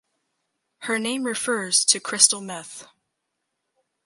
Her name refers to crystal meth.